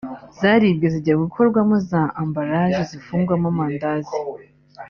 zaribwe zijya gukorwamo za ambalaje (emballages) zifungwamo amandazi